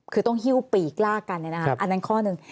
คือต้องหิ้วปีกลากกันอันนั้นข้อหนึ่ง